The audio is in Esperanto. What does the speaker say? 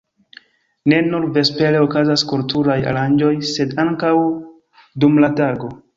Ne nur vespere okazas kulturaj aranĝoj, sed ankaŭ dum la tago.